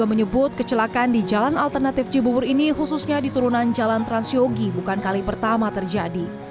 menyebut kecelakaan di jalan alternatif cibubur ini khususnya di turunan jalan transyogi bukan kali pertama terjadi